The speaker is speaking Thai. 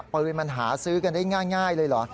ปืนมันหาซื้อกันได้ง่ายเลยเหรอ